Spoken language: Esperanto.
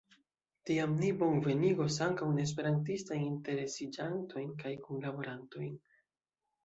Tiam ni bonvenigos ankaŭ neesperantistajn interesiĝantojn kaj kunlaborantojn.